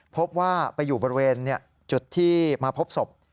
พบว่าไปอยู่บริเวณจุดที่มาพบศพ